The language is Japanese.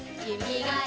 はい！